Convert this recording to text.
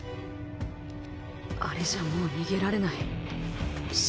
あれじゃもう逃げられない。